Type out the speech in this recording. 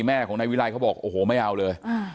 แม่ของนายวิรัยเขาบอกโอ้โหไม่เอาเลย